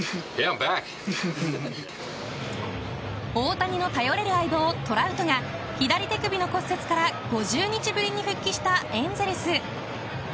大谷の頼れる相棒トラウトが左手首の骨折から５０日ぶりに復帰したエンゼルス。